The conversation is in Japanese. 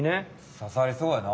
ささりそうやな。